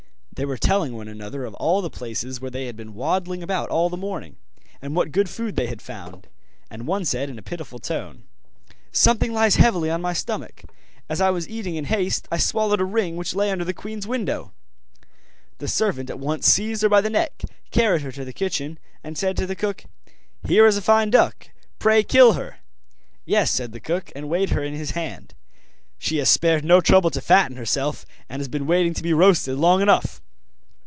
They were telling one another of all the places where they had been waddling about all the morning, and what good food they had found; and one said in a pitiful tone: 'Something lies heavy on my stomach; as I was eating in haste I swallowed a ring which lay under the queen's window.' The servant at once seized her by the neck, carried her to the kitchen, and said to the cook: 'Here is a fine duck; pray, kill her.' 'Yes,' said the cook, and weighed her in his hand; 'she has spared no trouble to fatten herself, and has been waiting to be roasted long enough.